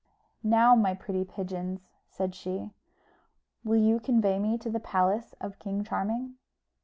"Now, my pretty pigeons," said she, "will you convey me to the palace of King Charming?"